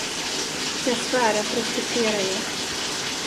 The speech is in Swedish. Jag svär att respektera er.